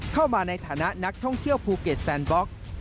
เข้ามาในฐานะนักท่องเที่ยวภูเก็ตแซนบล็อก